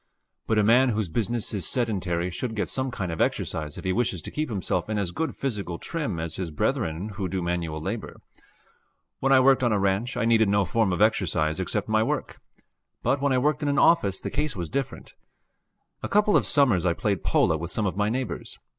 But a man whose business is sedentary should get some kind of exercise if he wishes to keep himself in as good physical trim as his brethren who do manual labor. When I worked on a ranch, I needed no form of exercise except my work, but when I worked in an office the case was different. A couple of summers I played polo with some of my neighbors.